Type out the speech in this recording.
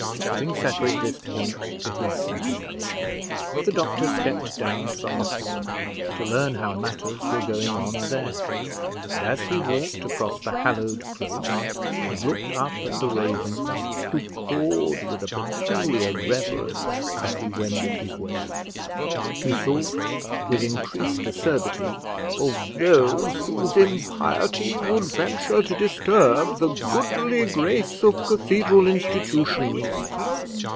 Having settled this point to his satisfaction, the doctor stepped down to the hospital, to learn how matters were going on there; and as he walked across the hallowed close, and looked up at the ravens who cawed with a peculiar reverence as he wended his way, he thought with increased acerbity of those whose impiety would venture to disturb the goodly grace of cathedral institutions.